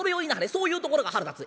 そういうところが腹立つ。